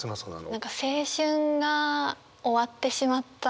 何か青春が終わってしまった。